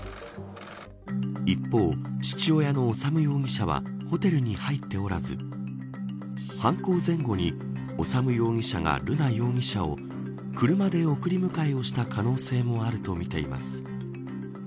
一方、父親の修容疑者はホテルに入っておらず犯行前後に修容疑者が瑠奈容疑者を車で送り迎えをした可能性もあるとみています。